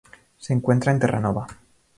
Se encuentra en Terranova.